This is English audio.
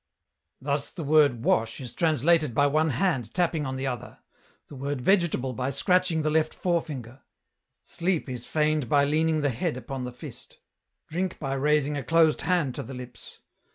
" Thus the word ' wash ' is translated by one hand tapping on the other ; the word ' vegetable ' by scratch ing the left forefinger ; sleep is feigned by leaning the head upon the fist ; drink by raising a closed hand to the lips.